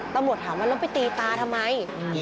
ต้องหวัดถามว่าเราไปตีตาทำไม